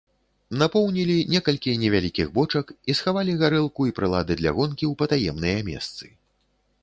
Напоўнілі некалькі невялікіх бочак і схавалі гарэлку і прылады для гонкі ў патаемныя месцы.